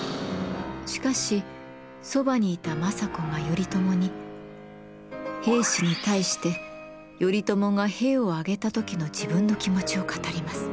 しかしそばにいた政子が頼朝に平氏に対して頼朝が兵を挙げた時の自分の気持ちを語ります。